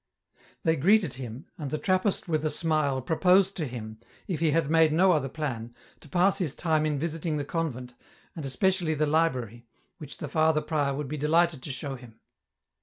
They greeted him, and the Trappist with a smile pro 288 EN ROUTE. posed to him, if he had made no other plan, to pass his time in visiting the convent, and especially the Ubrary, which the Father prior would be delighted to show him.